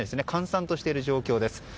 閑散としている状況です。